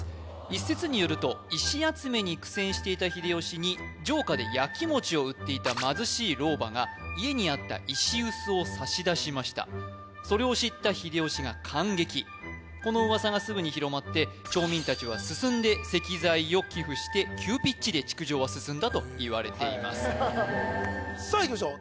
一説によると石集めに苦戦していた秀吉に城下で焼き餅を売っていた貧しい老婆が家にあった石臼を差し出しましたそれを知った秀吉が感激この噂がすぐに広まって町民達は進んで石材を寄付して急ピッチで築城は進んだといわれていますさあいきましょう